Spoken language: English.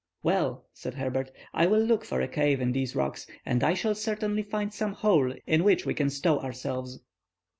"Well," said Herbert, "I will look for a cave in these rocks, and I shall certainly find some hole in which we can stow ourselves."